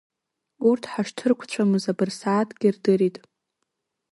Урҭ ҳашҭырқәцәамыз абырсааҭк ирдырит.